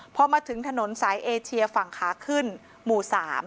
พอมาถึงถนนสายเอเชียฝั่งขาขึ้นหมู่๓